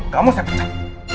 kamu saya percaya